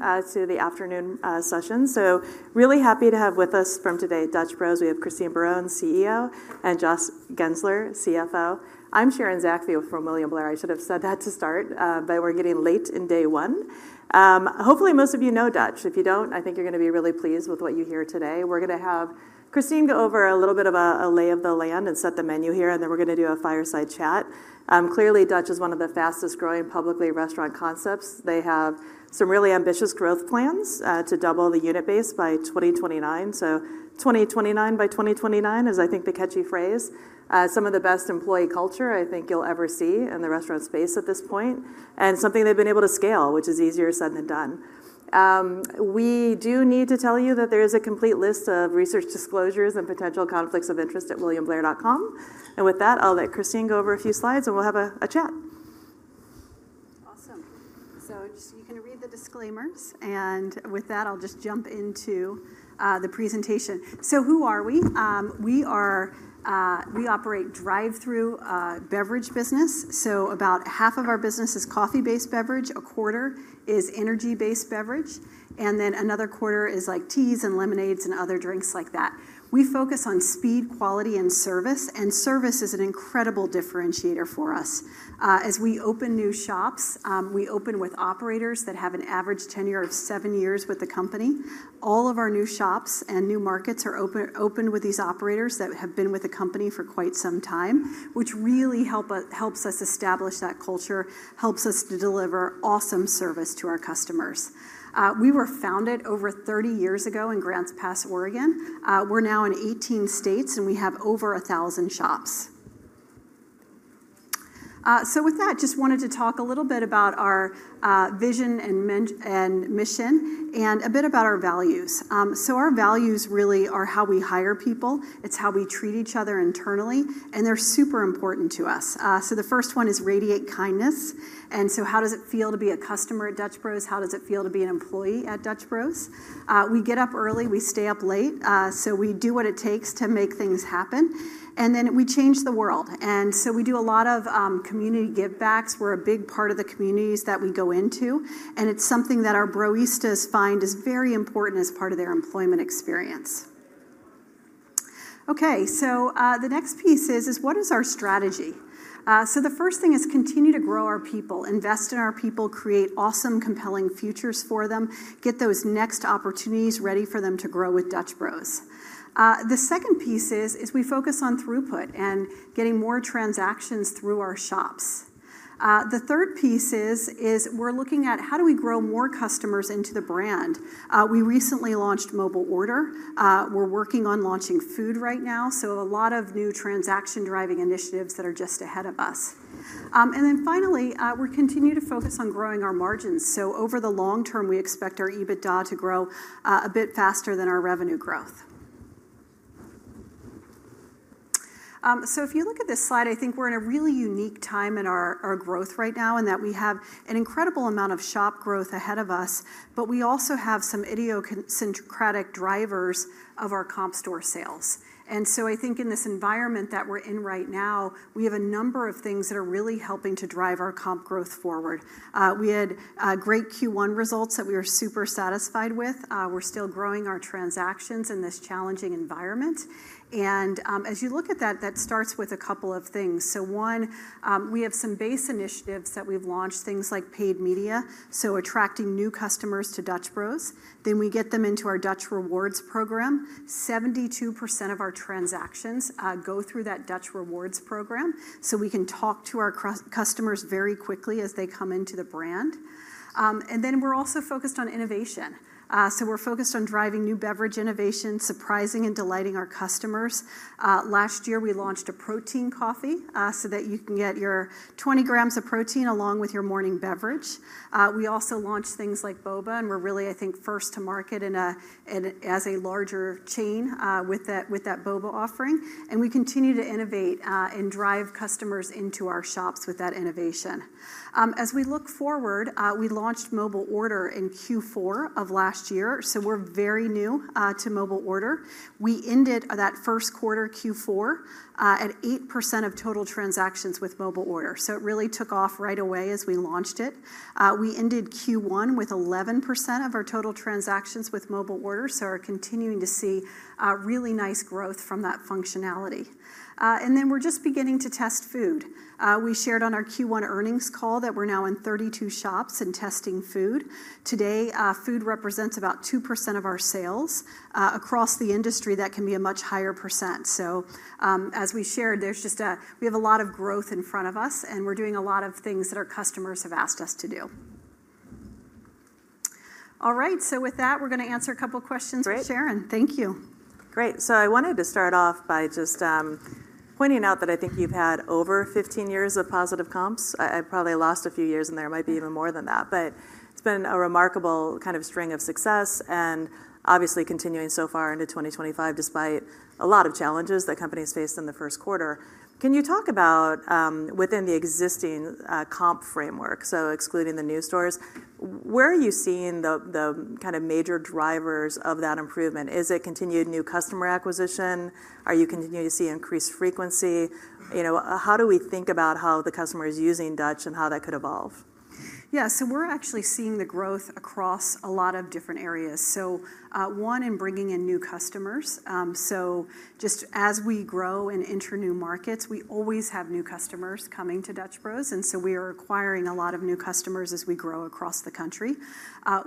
To the afternoon session. So really happy to have with us from today, Dutch Bros. We have Christine Barone, CEO, and Josh Guenser, CFO. I'm Sharon Zachfia from William Blair. I should have said that to start, but we're getting late in day one. Hopefully, most of you know Dutch. If you don't, I think you're going to be really pleased with what you hear today. We're going to have Christine go over a little bit of a lay of the land and set the menu here, and then we're going to do a fireside chat. Clearly, Dutch is one of the fastest growing publicly restaurant concepts. They have some really ambitious growth plans to double the unit base by 2029. So 2029 by 2029 is, I think, the catchy phrase. Some of the best employee culture, I think, you'll ever see in the restaurant space at this point, and something they've been able to scale, which is easier said than done. We do need to tell you that there is a complete list of research disclosures and potential conflicts of interest at williamblair.com. With that, I'll let Christine go over a few slides, and we'll have a chat. Awesome. You can read the disclaimers, and with that, I'll just jump into the presentation. Who are we? We operate a drive-through beverage business. About half of our business is coffee-based beverage, a quarter is energy-based beverage, and then another quarter is like teas and lemonades and other drinks like that. We focus on speed, quality, and service, and service is an incredible differentiator for us. As we open new shops, we open with operators that have an average tenure of seven years with the company. All of our new shops and new markets are open with these operators that have been with the company for quite some time, which really helps us establish that culture, helps us to deliver awesome service to our customers. We were founded over 30 years ago in Grants Pass, Oregon. We're now in 18 states, and we have over 1,000 shops. With that, just wanted to talk a little bit about our vision and mission and a bit about our values. Our values really are how we hire people, it's how we treat each other internally, and they're super important to us. The first one is radiate kindness. How does it feel to be a customer at Dutch Bros? How does it feel to be an employee at Dutch Bros? We get up early, we stay up late, we do what it takes to make things happen. We change the world. We do a lot of community give-backs. We're a big part of the communities that we go into, and it's something that our Broistas find is very important as part of their employment experience. Okay, the next piece is, what is our strategy? The first thing is continue to grow our people, invest in our people, create awesome, compelling futures for them, get those next opportunities ready for them to grow with Dutch Bros. The second piece is we focus on throughput and getting more transactions through our shops. The third piece is we're looking at how do we grow more customers into the brand. We recently launched mobile order. We're working on launching food right now, so a lot of new transaction-driving initiatives that are just ahead of us. Finally, we continue to focus on growing our margins. Over the long term, we expect our EBITDA to grow a bit faster than our revenue growth. If you look at this slide, I think we're in a really unique time in our growth right now in that we have an incredible amount of shop growth ahead of us, but we also have some idiosyncratic drivers of our comp store sales. I think in this environment that we're in right now, we have a number of things that are really helping to drive our comp growth forward. We had great Q1 results that we were super satisfied with. We're still growing our transactions in this challenging environment. As you look at that, that starts with a couple of things. One, we have some base initiatives that we've launched, things like paid media, so attracting new customers to Dutch Bros. We get them into our Dutch Rewards program. 72% of our transactions go through that Dutch Rewards program, so we can talk to our customers very quickly as they come into the brand. We are also focused on innovation. We are focused on driving new beverage innovation, surprising and delighting our customers. Last year, we launched a protein coffee so that you can get your 20 grams of protein along with your morning beverage. We also launched things like Boba, and we are really, I think, first to market as a larger chain with that Boba offering. We continue to innovate and drive customers into our shops with that innovation. As we look forward, we launched mobile order in Q4 of last year, so we are very new to mobile order. We ended that first quarter Q4 at 8% of total transactions with mobile order, so it really took off right away as we launched it. We ended Q1 with 11% of our total transactions with mobile order, so we're continuing to see really nice growth from that functionality. We are just beginning to test food. We shared on our Q1 earnings call that we're now in 32 shops and testing food. Today, food represents about 2% of our sales. Across the industry, that can be a much higher %. As we shared, there's just a lot of growth in front of us, and we're doing a lot of things that our customers have asked us to do. All right, with that, we're going to answer a couple of questions. Sharon, thank you. Great. I wanted to start off by just pointing out that I think you've had over 15 years of positive comps. I probably lost a few years in there, might be even more than that, but it's been a remarkable kind of string of success and obviously continuing so far into 2025 despite a lot of challenges that companies faced in the first quarter. Can you talk about within the existing comp framework, so excluding the new stores, where are you seeing the kind of major drivers of that improvement? Is it continued new customer acquisition? Are you continuing to see increased frequency? How do we think about how the customer is using Dutch and how that could evolve? Yeah, so we're actually seeing the growth across a lot of different areas. One in bringing in new customers. Just as we grow and enter new markets, we always have new customers coming to Dutch Bros, and we are acquiring a lot of new customers as we grow across the country.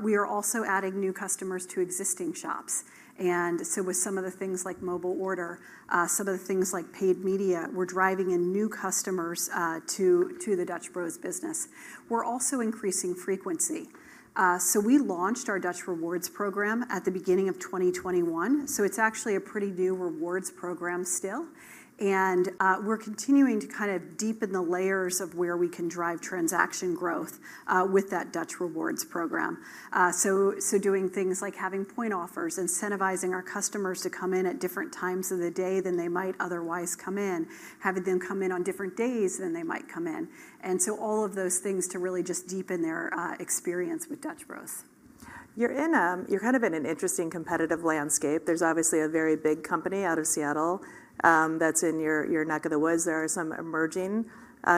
We are also adding new customers to existing shops. With some of the things like mobile order, some of the things like paid media, we're driving in new customers to the Dutch Bros business. We're also increasing frequency. We launched our Dutch Rewards program at the beginning of 2021, so it's actually a pretty new rewards program still. We're continuing to kind of deepen the layers of where we can drive transaction growth with that Dutch Rewards program. Doing things like having point offers, incentivizing our customers to come in at different times of the day than they might otherwise come in, having them come in on different days than they might come in. All of those things to really just deepen their experience with Dutch Bros. You're kind of in an interesting competitive landscape. There's obviously a very big company out of Seattle that's in your neck of the woods. There are some emerging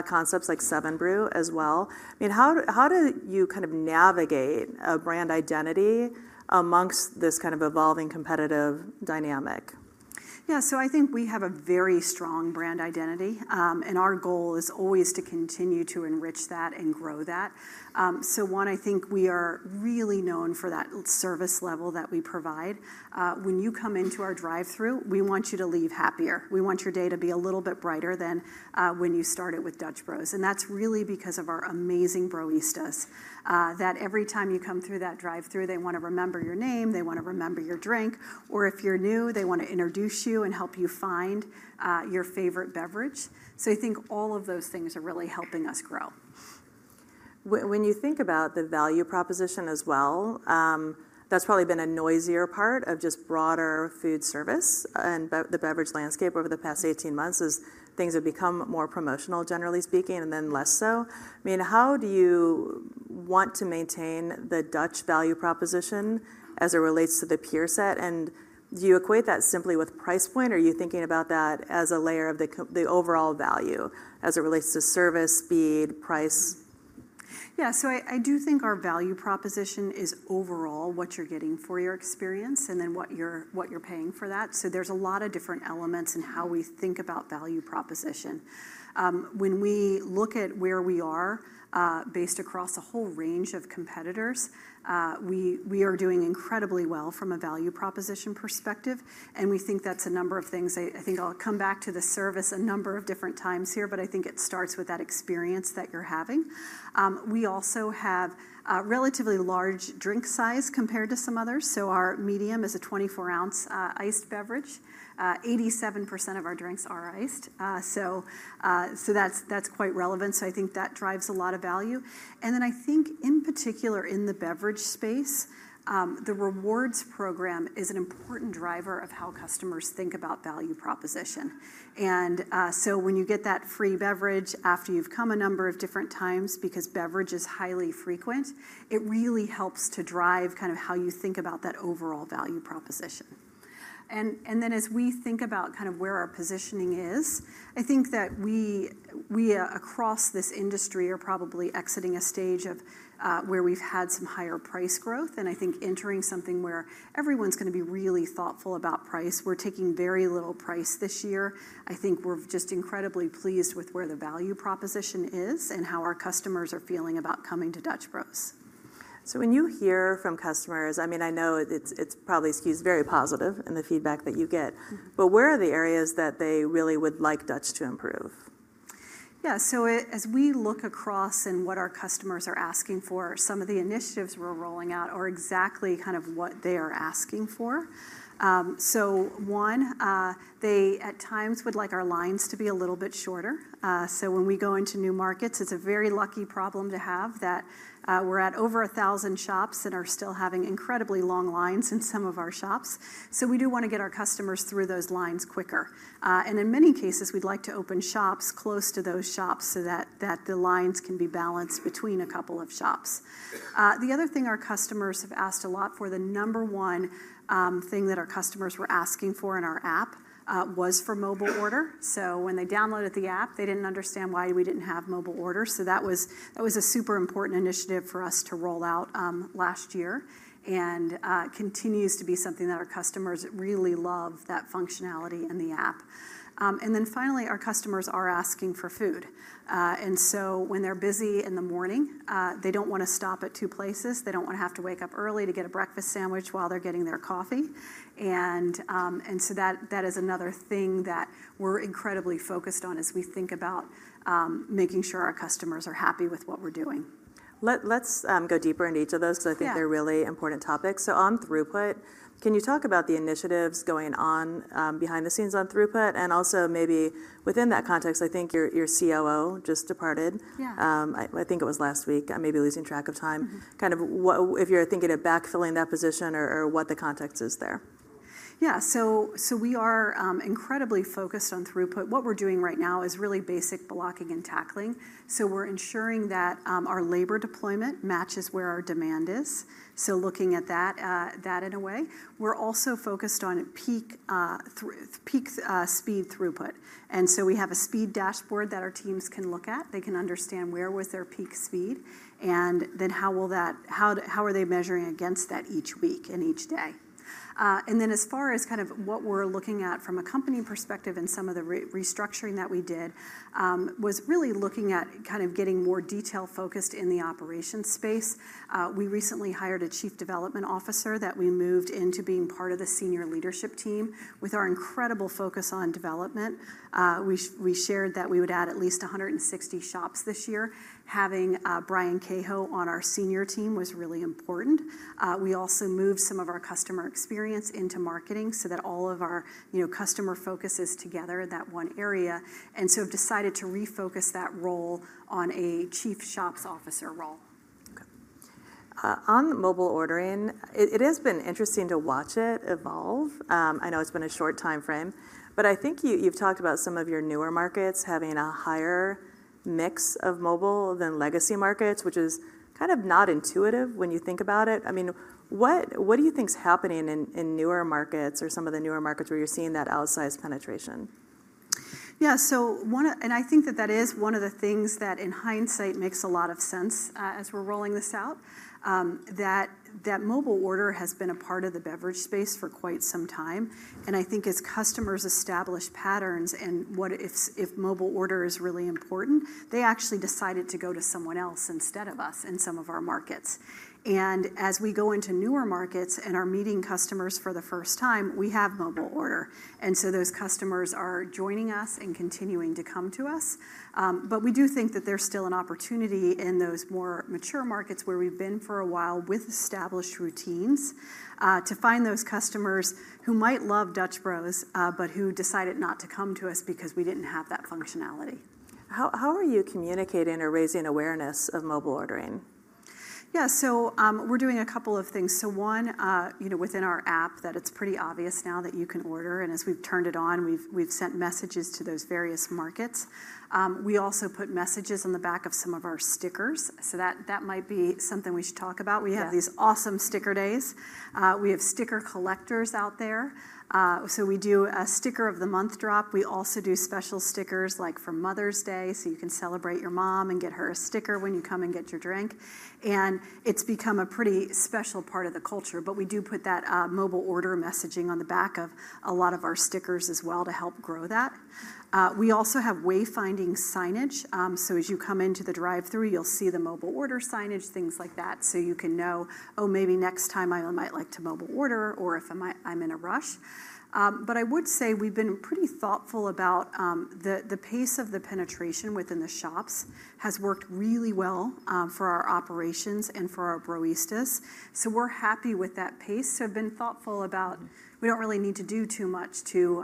concepts like Seven Brew as well. I mean, how do you kind of navigate a brand identity amongst this kind of evolving competitive dynamic? Yeah, so I think we have a very strong brand identity, and our goal is always to continue to enrich that and grow that. One, I think we are really known for that service level that we provide. When you come into our drive-through, we want you to leave happier. We want your day to be a little bit brighter than when you started with Dutch Bros. That is really because of our amazing Broistas, that every time you come through that drive-through, they want to remember your name, they want to remember your drink, or if you're new, they want to introduce you and help you find your favorite beverage. I think all of those things are really helping us grow. When you think about the value proposition as well, that's probably been a noisier part of just broader food service and the beverage landscape over the past 18 months as things have become more promotional, generally speaking, and then less so. I mean, how do you want to maintain the Dutch value proposition as it relates to the peer set? And do you equate that simply with price point, or are you thinking about that as a layer of the overall value as it relates to service, speed, price? Yeah, so I do think our value proposition is overall what you're getting for your experience and then what you're paying for that. There are a lot of different elements in how we think about value proposition. When we look at where we are based across a whole range of competitors, we are doing incredibly well from a value proposition perspective, and we think that's a number of things. I think I'll come back to the service a number of different times here, but I think it starts with that experience that you're having. We also have relatively large drink size compared to some others. Our medium is a 24 oz. iced beverage. 87% of our drinks are iced, so that's quite relevant. I think that drives a lot of value. I think in particular in the beverage space, the rewards program is an important driver of how customers think about value proposition. When you get that free beverage after you've come a number of different times because beverage is highly frequent, it really helps to drive kind of how you think about that overall value proposition. As we think about kind of where our positioning is, I think that we across this industry are probably exiting a stage of where we've had some higher price growth. I think entering something where everyone's going to be really thoughtful about price. We're taking very little price this year. I think we're just incredibly pleased with where the value proposition is and how our customers are feeling about coming to Dutch Bros. When you hear from customers, I mean, I know it's probably skewed very positive in the feedback that you get, but where are the areas that they really would like Dutch to improve? Yeah, as we look across and what our customers are asking for, some of the initiatives we're rolling out are exactly kind of what they are asking for. One, they at times would like our lines to be a little bit shorter. When we go into new markets, it's a very lucky problem to have that we're at over 1,000 shops and are still having incredibly long lines in some of our shops. We do want to get our customers through those lines quicker. In many cases, we'd like to open shops close to those shops so that the lines can be balanced between a couple of shops. The other thing our customers have asked a lot for, the number one thing that our customers were asking for in our app was for mobile order. When they downloaded the app, they did not understand why we did not have mobile orders. That was a super important initiative for us to roll out last year and continues to be something that our customers really love, that functionality in the app. Finally, our customers are asking for food. When they are busy in the morning, they do not want to stop at two places. They do not want to have to wake up early to get a breakfast sandwich while they are getting their coffee. That is another thing that we are incredibly focused on as we think about making sure our customers are happy with what we are doing. Let's go deeper into each of those because I think they're really important topics. On throughput, can you talk about the initiatives going on behind the scenes on throughput and also maybe within that context, I think your COO just departed. I think it was last week. I'm maybe losing track of time. Kind of if you're thinking of backfilling that position or what the context is there. Yeah, so we are incredibly focused on throughput. What we're doing right now is really basic blocking and tackling. We are ensuring that our labor deployment matches where our demand is. Looking at that in a way. We are also focused on peak speed throughput. We have a speed dashboard that our teams can look at. They can understand where was their peak speed and then how are they measuring against that each week and each day. As far as kind of what we're looking at from a company perspective and some of the restructuring that we did, it was really looking at kind of getting more detail focused in the operations space. We recently hired a Chief Development Officer that we moved into being part of the senior leadership team with our incredible focus on development. We shared that we would add at least 160 shops this year. Having Brian Cahoe on our senior team was really important. We also moved some of our customer experience into marketing so that all of our customer focus is together in that one area. We have decided to refocus that role on a chief shops officer role. Okay. On mobile ordering, it has been interesting to watch it evolve. I know it's been a short time frame, but I think you've talked about some of your newer markets having a higher mix of mobile than legacy markets, which is kind of not intuitive when you think about it. I mean, what do you think is happening in newer markets or some of the newer markets where you're seeing that outsized penetration? Yeah, so one of, and I think that that is one of the things that in hindsight makes a lot of sense as we're rolling this out, that mobile order has been a part of the beverage space for quite some time. I think as customers establish patterns and what if mobile order is really important, they actually decided to go to someone else instead of us in some of our markets. As we go into newer markets and are meeting customers for the first time, we have mobile order. Those customers are joining us and continuing to come to us. We do think that there's still an opportunity in those more mature markets where we've been for a while with established routines to find those customers who might love Dutch Bros but who decided not to come to us because we didn't have that functionality. How are you communicating or raising awareness of mobile ordering? Yeah, so we're doing a couple of things. One, within our app, it's pretty obvious now that you can order. As we've turned it on, we've sent messages to those various markets. We also put messages on the back of some of our stickers. That might be something we should talk about. We have these awesome sticker days. We have sticker collectors out there. We do a sticker of the month drop. We also do special stickers like for Mother's Day, so you can celebrate your mom and get her a sticker when you come and get your drink. It's become a pretty special part of the culture, but we do put that mobile order messaging on the back of a lot of our stickers as well to help grow that. We also have wayfinding signage. As you come into the drive-through, you'll see the mobile order signage, things like that. You can know, oh, maybe next time I might like to mobile order or if I'm in a rush. I would say we've been pretty thoughtful about the pace of the penetration within the shops has worked really well for our operations and for our Broistas. We're happy with that pace. We've been thoughtful about we don't really need to do too much to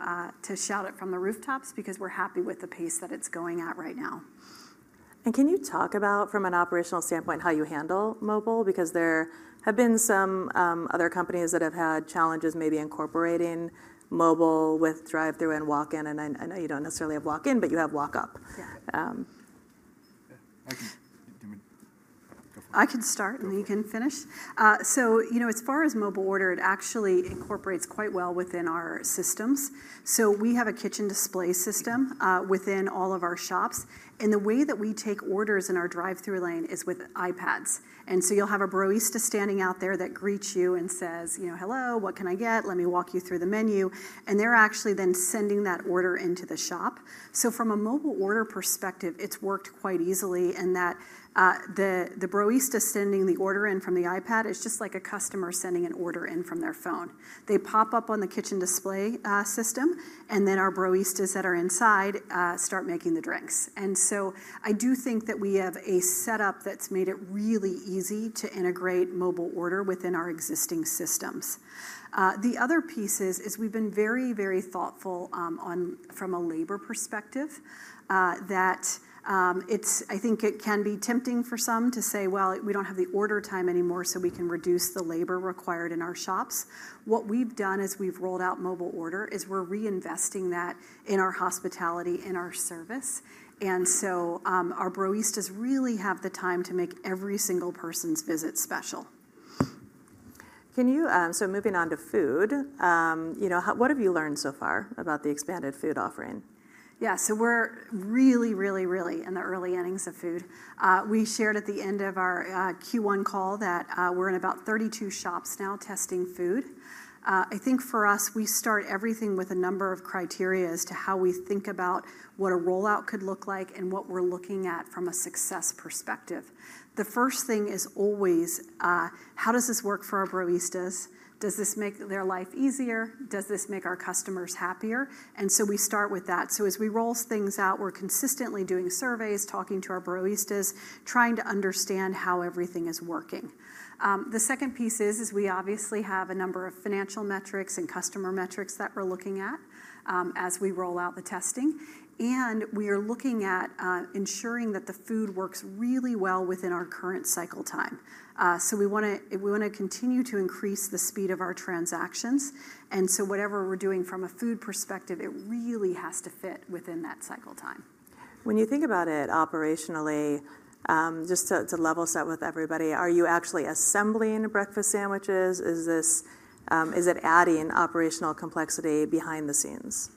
shout it from the rooftops because we're happy with the pace that it's going at right now. Can you talk about from an operational standpoint how you handle mobile? Because there have been some other companies that have had challenges maybe incorporating mobile with drive-through and walk-in. I know you do not necessarily have walk-in, but you have walk-up. I can start and you can finish. As far as mobile order, it actually incorporates quite well within our systems. We have a kitchen display system within all of our shops. The way that we take orders in our drive-through lane is with iPads. You will have a Broista standing out there that greets you and says, "Hello, what can I get? Let me walk you through the menu." They are actually then sending that order into the shop. From a mobile order perspective, it has worked quite easily in that the Broista sending the order in from the iPad is just like a customer sending an order in from their phone. They pop up on the kitchen display system, and then our Broistas that are inside start making the drinks. I do think that we have a setup that's made it really easy to integrate mobile order within our existing systems. The other piece is we've been very, very thoughtful from a labor perspective that I think it can be tempting for some to say, "Well, we don't have the order time anymore, so we can reduce the labor required in our shops." What we've done as we've rolled out mobile order is we're reinvesting that in our hospitality, in our service. Our Broistas really have the time to make every single person's visit special. Moving on to food, what have you learned so far about the expanded food offering? Yeah, so we're really, really, really in the early innings of food. We shared at the end of our Q1 call that we're in about 32 shops now testing food. I think for us, we start everything with a number of criteria as to how we think about what a rollout could look like and what we're looking at from a success perspective. The first thing is always, how does this work for our Broistas? Does this make their life easier? Does this make our customers happier? We start with that. As we roll things out, we're consistently doing surveys, talking to our Broistas, trying to understand how everything is working. The second piece is we obviously have a number of financial metrics and customer metrics that we're looking at as we roll out the testing. We are looking at ensuring that the food works really well within our current cycle time. We want to continue to increase the speed of our transactions. Whatever we are doing from a food perspective, it really has to fit within that cycle time. When you think about it operationally, just to level set with everybody, are you actually assembling breakfast sandwiches? Is it adding operational complexity behind the scenes?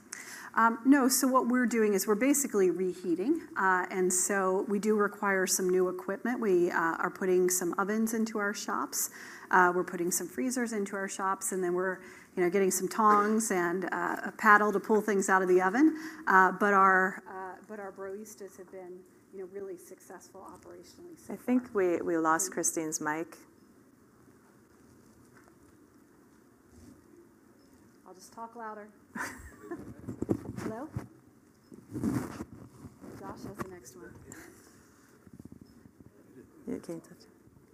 No, so what we're doing is we're basically reheating. We do require some new equipment. We are putting some ovens into our shops. We're putting some freezers into our shops. We are getting some tongs and a paddle to pull things out of the oven. Our Broistas have been really successful operationally. I think we lost Christine's mic. I'll just talk louder. Hello? Josh has the next one.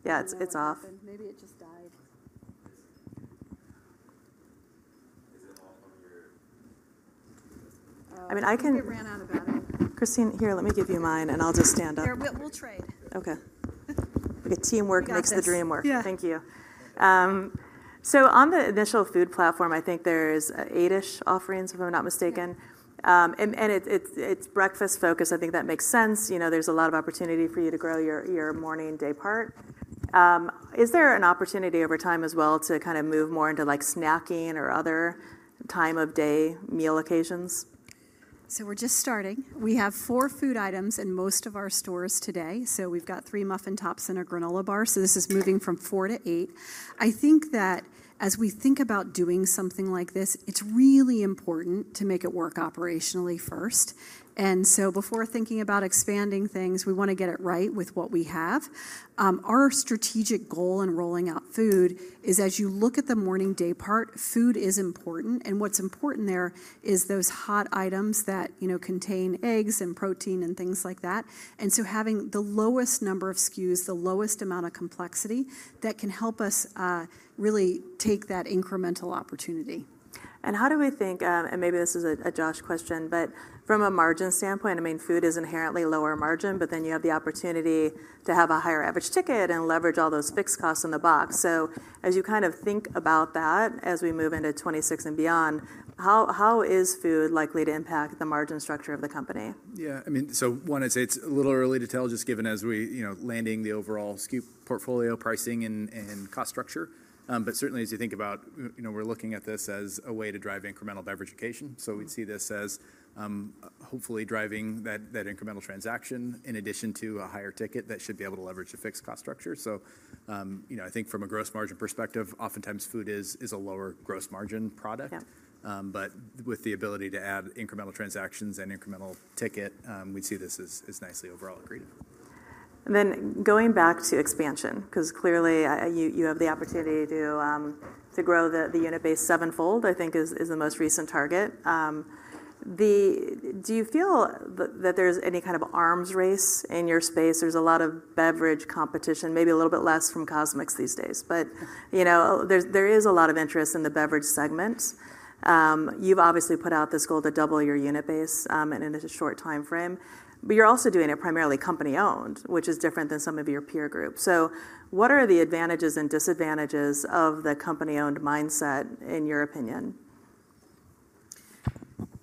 Yeah, it's off. Maybe it just died. I mean, I can. It ran out of battery. Christine, here, let me give you mine and I'll just stand up. We'll trade. Okay. Teamwork makes the dream work. Thank you. On the initial food platform, I think there's eight-ish offerings, if I'm not mistaken. It's breakfast focused. I think that makes sense. There's a lot of opportunity for you to grow your morning and day part. Is there an opportunity over time as well to kind of move more into snacking or other time-of-day meal occasions? We're just starting. We have four food items in most of our stores today. We've got three muffin tops and a granola bar. This is moving from four to eight. I think that as we think about doing something like this, it's really important to make it work operationally first. Before thinking about expanding things, we want to get it right with what we have. Our strategic goal in rolling out food is as you look at the morning day part, food is important. What's important there is those hot items that contain eggs and protein and things like that. Having the lowest number of SKUs, the lowest amount of complexity, that can help us really take that incremental opportunity. How do we think, and maybe this is a Josh question, but from a margin standpoint, I mean, food is inherently lower margin, but then you have the opportunity to have a higher average ticket and leverage all those fixed costs in the box. As you kind of think about that as we move into 2026 and beyond, how is food likely to impact the margin structure of the company? Yeah, I mean, so one, it's a little early to tell just given as we landing the overall SKU portfolio, pricing, and cost structure. But certainly as you think about, we're looking at this as a way to drive incremental beverage occasion. We'd see this as hopefully driving that incremental transaction in addition to a higher ticket that should be able to leverage the fixed cost structure. I think from a gross margin perspective, oftentimes food is a lower gross margin product. With the ability to add incremental transactions and incremental ticket, we'd see this as nicely overall accretive. Going back to expansion, because clearly you have the opportunity to grow the unit base sevenfold, I think is the most recent target. Do you feel that there's any kind of arms race in your space? There's a lot of beverage competition, maybe a little bit less from Cosmix these days. There is a lot of interest in the beverage segment. You've obviously put out this goal to double your unit base in a short time frame. You're also doing it primarily company-owned, which is different than some of your peer groups. What are the advantages and disadvantages of the company-owned mindset in your opinion?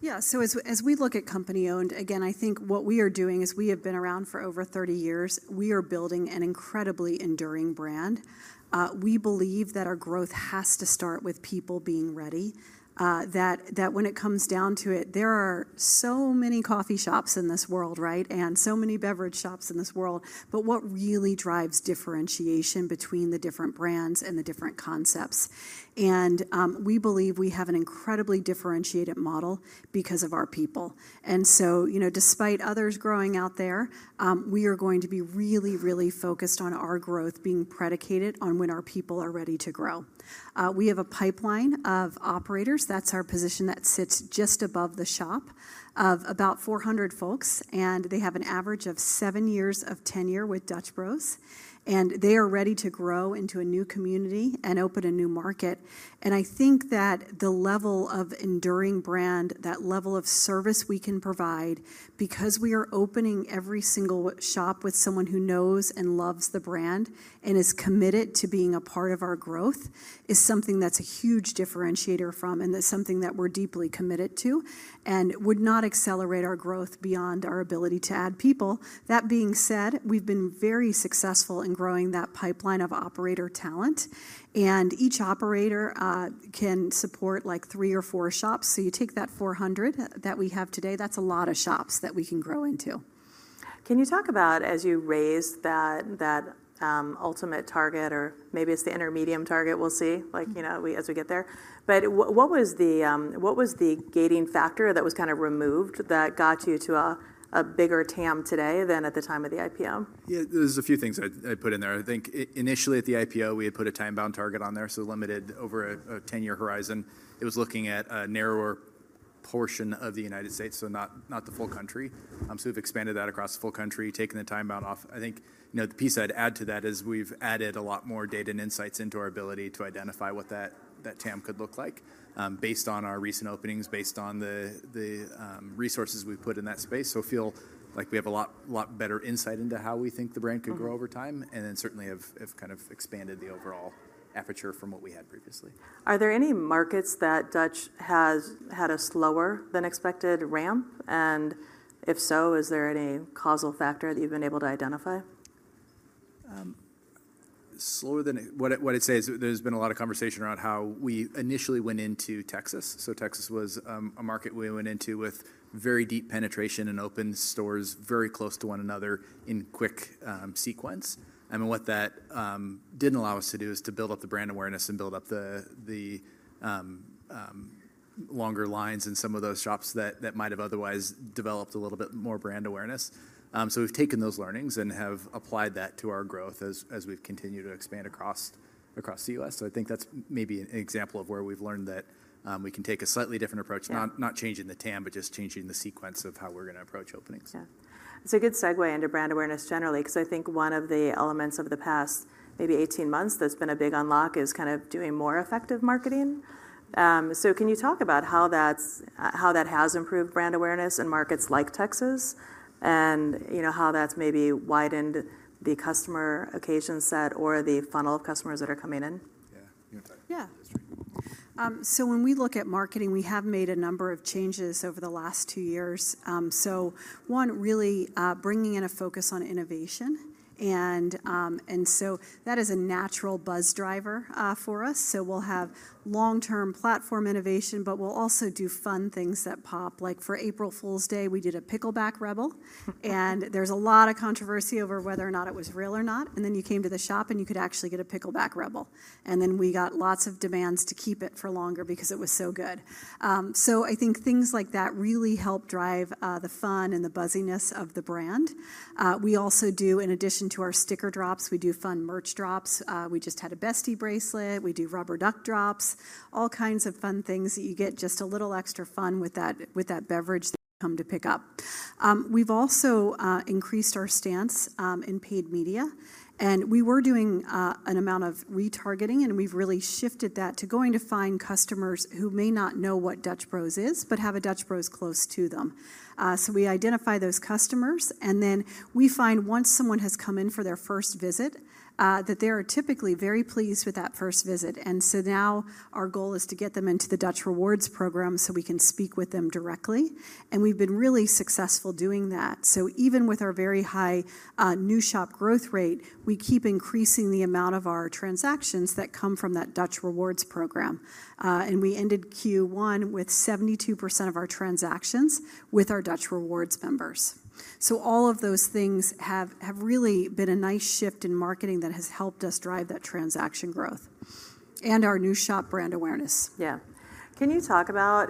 Yeah, so as we look at company-owned, again, I think what we are doing is we have been around for over 30 years. We are building an incredibly enduring brand. We believe that our growth has to start with people being ready, that when it comes down to it, there are so many coffee shops in this world, right, and so many beverage shops in this world. What really drives differentiation between the different brands and the different concepts? We believe we have an incredibly differentiated model because of our people. Despite others growing out there, we are going to be really, really focused on our growth being predicated on when our people are ready to grow. We have a pipeline of operators. That's our position that sits just above the shop of about 400 folks. They have an average of seven years of tenure with Dutch Bros. They are ready to grow into a new community and open a new market. I think that the level of enduring brand, that level of service we can provide because we are opening every single shop with someone who knows and loves the brand and is committed to being a part of our growth, is something that's a huge differentiator from, and that's something that we're deeply committed to and would not accelerate our growth beyond our ability to add people. That being said, we've been very successful in growing that pipeline of operator talent. Each operator can support like three or four shops. You take that 400 that we have today, that's a lot of shops that we can grow into. Can you talk about, as you raise that ultimate target, or maybe it's the intermediate target, we'll see as we get there, but what was the gating factor that was kind of removed that got you to a bigger TAM today than at the time of the IPO? Yeah, there's a few things I'd put in there. I think initially at the IPO, we had put a time-bound target on there, so limited over a 10-year horizon. It was looking at a narrower portion of the United States, so not the full country. We have expanded that across the full country, taken the time-bound off. I think the piece I'd add to that is we've added a lot more data and insights into our ability to identify what that TAM could look like based on our recent openings, based on the resources we've put in that space. I feel like we have a lot better insight into how we think the brand could grow over time, and then certainly have kind of expanded the overall aperture from what we had previously. Are there any markets that Dutch has had a slower than expected ramp? If so, is there any causal factor that you've been able to identify? Slower than what I'd say is there's been a lot of conversation around how we initially went into Texas. Texas was a market we went into with very deep penetration and opened stores very close to one another in quick sequence. What that didn't allow us to do is to build up the brand awareness and build up the longer lines in some of those shops that might have otherwise developed a little bit more brand awareness. We've taken those learnings and have applied that to our growth as we've continued to expand across the U.S. I think that's maybe an example of where we've learned that we can take a slightly different approach, not changing the TAM, but just changing the sequence of how we're going to approach openings. Yeah. It's a good segue into brand awareness generally, because I think one of the elements of the past maybe 18 months that's been a big unlock is kind of doing more effective marketing. Can you talk about how that has improved brand awareness in markets like Texas and how that's maybe widened the customer occasion set or the funnel of customers that are coming in? Yeah. When we look at marketing, we have made a number of changes over the last two years. One, really bringing in a focus on innovation. That is a natural buzz driver for us. We will have long-term platform innovation, but we will also do fun things that pop. Like for April Fool's Day, we did a Pickleback Rebel. There was a lot of controversy over whether or not it was real or not. You came to the shop and you could actually get a Pickleback Rebel. We got lots of demands to keep it for longer because it was so good. I think things like that really help drive the fun and the buzziness of the brand. We also do, in addition to our sticker drops, fun merch drops. We just had a bestie bracelet. We do rubber duck drops, all kinds of fun things that you get just a little extra fun with that beverage that you come to pick up. We have also increased our stance in paid media. We were doing an amount of retargeting, and we have really shifted that to going to find customers who may not know what Dutch Bros is, but have a Dutch Bros close to them. We identify those customers, and then we find once someone has come in for their first visit, that they are typically very pleased with that first visit. Our goal is to get them into the Dutch Rewards program so we can speak with them directly. We have been really successful doing that. Even with our very high new shop growth rate, we keep increasing the amount of our transactions that come from that Dutch Rewards program. We ended Q1 with 72% of our transactions with our Dutch Rewards members. All of those things have really been a nice shift in marketing that has helped us drive that transaction growth and our new shop brand awareness. Yeah. Can you talk about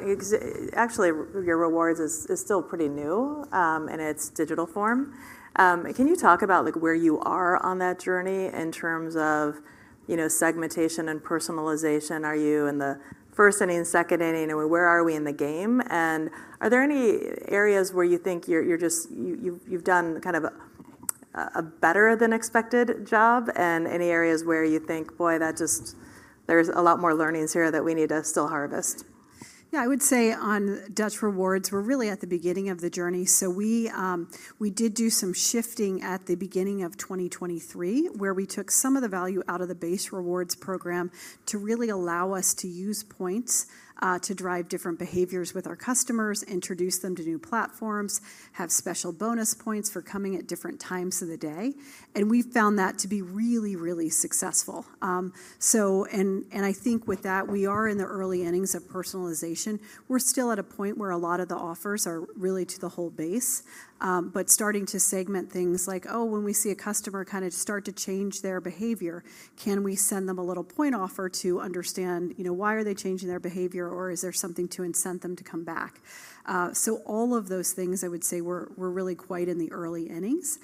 actually, your rewards is still pretty new in its digital form. Can you talk about where you are on that journey in terms of segmentation and personalization? Are you in the first inning, second inning? Where are we in the game? Are there any areas where you think you've done kind of a better than expected job and any areas where you think, boy, there's a lot more learnings here that we need to still harvest? Yeah, I would say on Dutch Rewards, we're really at the beginning of the journey. We did do some shifting at the beginning of 2023, where we took some of the value out of the base rewards program to really allow us to use points to drive different behaviors with our customers, introduce them to new platforms, have special bonus points for coming at different times of the day. We've found that to be really, really successful. I think with that, we are in the early innings of personalization. We're still at a point where a lot of the offers are really to the whole base, but starting to segment things like, oh, when we see a customer kind of start to change their behavior, can we send them a little point offer to understand why are they changing their behavior, or is there something to incent them to come back? All of those things, I would say we're really quite in the early innings.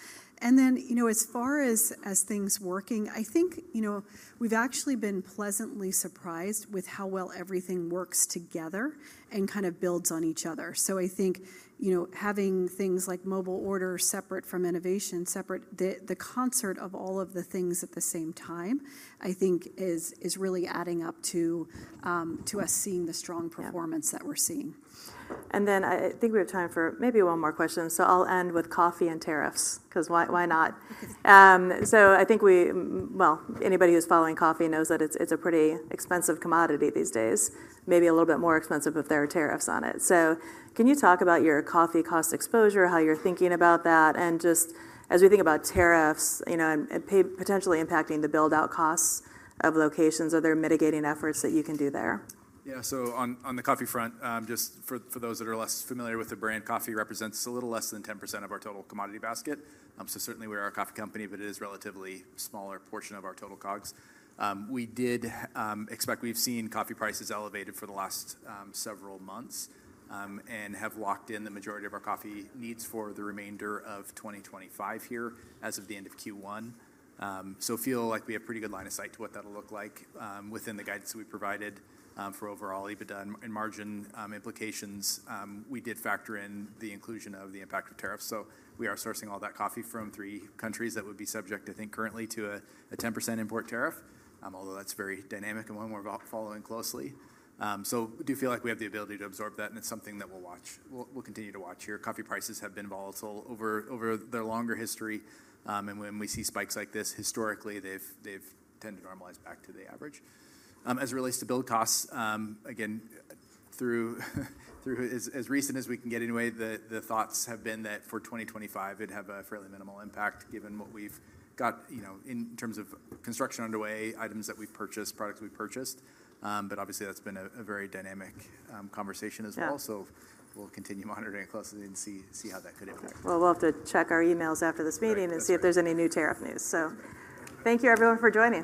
As far as things working, I think we've actually been pleasantly surprised with how well everything works together and kind of builds on each other. I think having things like mobile orders separate from innovation, separate the concert of all of the things at the same time, I think is really adding up to us seeing the strong performance that we're seeing. I think we have time for maybe one more question. I'll end with coffee and tariffs, because why not? I think, well, anybody who's following coffee knows that it's a pretty expensive commodity these days, maybe a little bit more expensive if there are tariffs on it. Can you talk about your coffee cost exposure, how you're thinking about that, and just as we think about tariffs and potentially impacting the build-out costs of locations, are there mitigating efforts that you can do there? Yeah, so on the coffee front, just for those that are less familiar with the brand, coffee represents a little less than 10% of our total commodity basket. Certainly we are a coffee company, but it is a relatively smaller portion of our total COGS. We did expect we've seen coffee prices elevated for the last several months and have locked in the majority of our coffee needs for the remainder of 2025 here as of the end of Q1. I feel like we have a pretty good line of sight to what that'll look like within the guidance that we provided for overall EBITDA and margin implications. We did factor in the inclusion of the impact of tariffs. We are sourcing all that coffee from three countries that would be subject, I think, currently to a 10% import tariff, although that's very dynamic and one we're following closely. I do feel like we have the ability to absorb that, and it's something that we'll continue to watch here. Coffee prices have been volatile over their longer history. When we see spikes like this, historically, they've tended to normalize back to the average. As it relates to build costs, again, through as recent as we can get anyway, the thoughts have been that for 2025, it'd have a fairly minimal impact given what we've got in terms of construction underway, items that we've purchased, products we've purchased. Obviously, that's been a very dynamic conversation as well. We'll continue monitoring it closely and see how that could impact. We will have to check our emails after this meeting and see if there's any new tariff news. Thank you, everyone, for joining.